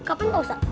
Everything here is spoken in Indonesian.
kapan pak ustadz